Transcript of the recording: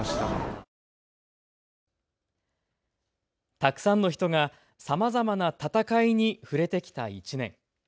たくさんの人がさまざまな戦に触れてきた１年。